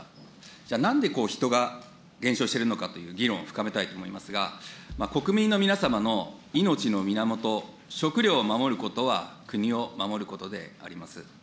じゃあ、なんで人が減少しているのかという議論を深めたいと思いますが、国民の皆様の命の源、食料を守ることは、国を守ることであります。